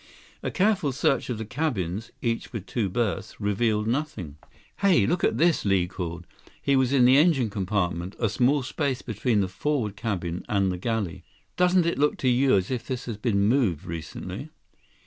A careful search of the cabins, each with two berths, revealed nothing. 92 "Hey, look at this!" Li called. He was in the engine compartment, a small space between the forward cabin and the galley. "Doesn't it look to you as if this has been moved recently?"